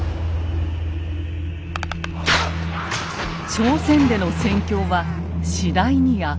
朝鮮での戦況は次第に悪化。